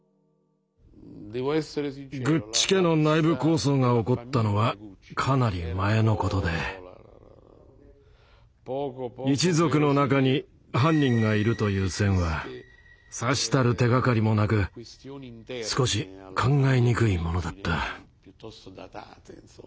グッチ家の内部抗争が起こったのはかなり前のことで一族の中に犯人がいるという線はさしたる手がかりもなく少し考えにくいものだった。